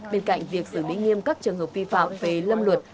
bên cạnh việc xử lý nghiêm các trường hợp vi phạm về lâm luật